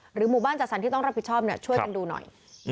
หมู่บ้านจัดสรรที่ต้องรับผิดชอบช่วยกันดูหน่อย